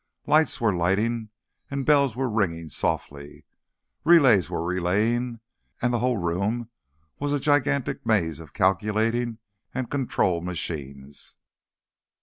Lights were lighting and bells were ringing softly, relays were relaying and the whole room was a gigantic maze of calculating and control machines.